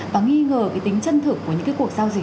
và nghi ngờ cái tính chân thực của nhân dân